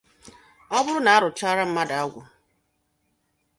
Ọ bụrụ na a rụchaara mmadụ agwụ